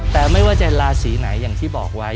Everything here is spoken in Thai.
แต่ไม่ว่าจะราศีไหนอย่างที่บอกไว้